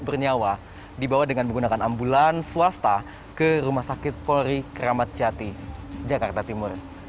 bernyawa dibawa dengan menggunakan ambulan swasta ke rumah sakit polri kramat jati jakarta timur